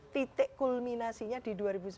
titik kulminasinya di dua ribu sembilan belas